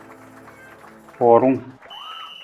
Huurung.